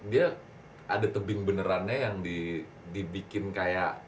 dia ada tebing benerannya yang dibikin kayak